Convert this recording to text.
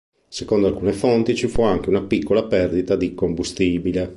Secondo alcune fonti ci fu anche una piccola perdita di combustibile.